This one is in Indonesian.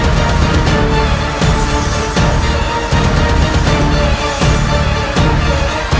kau tidak akan sanggap